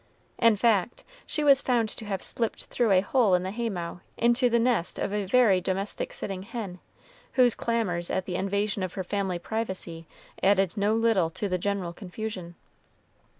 In fact, she was found to have slipped through a hole in the hay mow into the nest of a very domestic sitting hen, whose clamors at the invasion of her family privacy added no little to the general confusion.